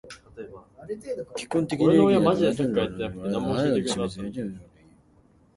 結婚適齢期になっても相手のいない男と女。また、配偶者と死別、生別した男女のことも言う。